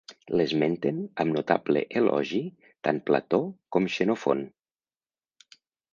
L'esmenten amb notable elogi tant Plató com Xenofont.